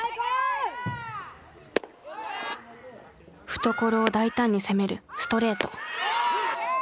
懐を大胆に攻めるストレート。